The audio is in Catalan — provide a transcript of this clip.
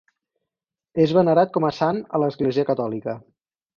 És venerat com a sant a l'Església catòlica.